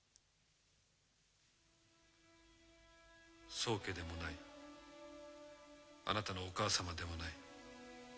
宗家でもないあなたのお母様でもない。